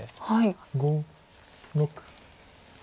５６。